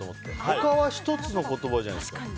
他は１つの言葉じゃないですか。